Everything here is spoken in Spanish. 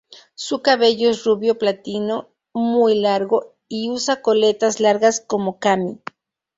Su cabello es rubio platino muy largo, y usa coletas largas como Cammy.